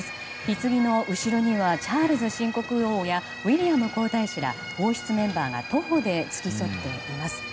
ひつぎの後ろにはチャールズ新国王やウィリアム皇太子ら王室メンバーが徒歩で付き添っています。